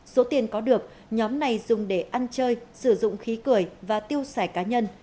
số tiền có được nhóm này dùng để ăn chơi sử dụng khí cười và tiêu xài cá nhân